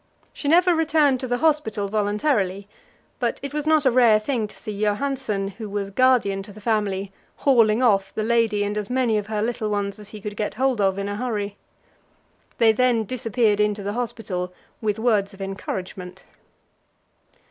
She never returned to the hospital voluntarily, but it was not a rare thing to see Johansen, who was guardian to the family, hauling off the lady and as many of her little ones as he could get hold of in a hurry. They then disappeared into the hospital with words of encouragement.